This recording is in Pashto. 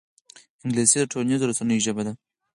انګلیسي د ټولنیزو رسنیو ژبه ده